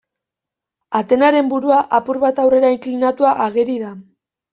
Atenaren burua apur bat aurrera inklinatua ageri da.